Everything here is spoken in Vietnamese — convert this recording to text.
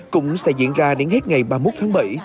cũng sẽ diễn ra đến hết ngày ba mươi một tháng bảy